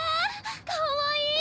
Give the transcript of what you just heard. かわいい！